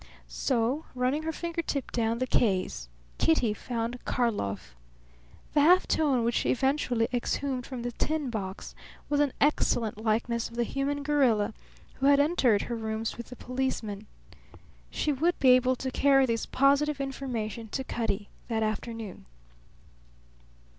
So, running her finger tip down the K's, Kitty found Karlov. The half tone which she eventually exhumed from the tin box was an excellent likeness of the human gorilla who had entered her rooms with the policeman. She would be able to carry this positive information to Cutty that afternoon.